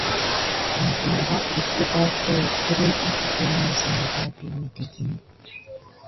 Nəbatek əkayet kiriŋ a təky na əzangya vi memeɗiŋɗeŋ.